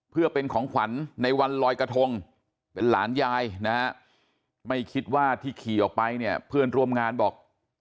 เพื่อเป็นของขวัญในวันลอยกระทงเป็นหลานยายนะฮะไม่คิดว่าที่ขี่ออกไปเนี่ยเพื่อนร่วมงานบอก